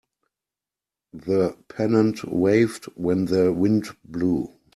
The pennant waved when the wind blew.